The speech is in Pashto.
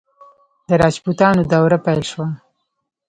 د راجپوتانو دوره پیل شوه.